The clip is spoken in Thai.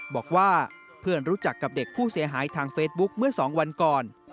บอกว่าเพื่อนรู้จักกับเด็กผู้เสียหายทางเฟซบุ๊คเมื่อ๒วันก่อน